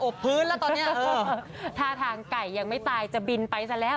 พื้นแล้วตอนนี้ท่าทางไก่ยังไม่ตายจะบินไปซะแล้ว